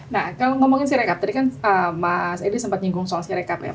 nah kalau ngomongin sirekap tadi kan mas edi sempat nyinggung soal sirekap ya